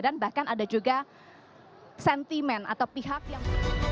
dan bahkan ada juga sentimen atau pihak yang